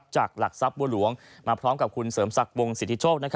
หลักทรัพย์บัวหลวงมาพร้อมกับคุณเสริมศักดิ์วงสิทธิโชค